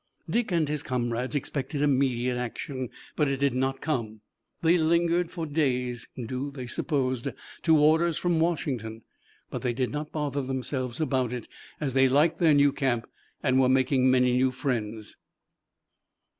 Dick and his comrades expected immediate action, but it did not come. They lingered for days, due, they supposed, to orders from Washington, but they did not bother themselves about it, as they liked their new camp and were making many new friends.